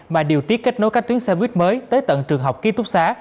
mà điều tiết kết nối các tuyến xe buýt mới tới tận trường học ký túc xá